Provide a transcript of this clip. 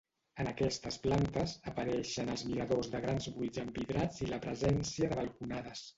En aquestes plantes, apareixen els miradors de grans buits envidrats i la presència de balconades.